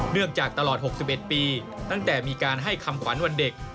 จากตลอด๖๑ปีตั้งแต่มีการให้คำขวัญวันเด็ก